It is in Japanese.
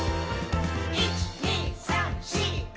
「１．２．３．４．５．」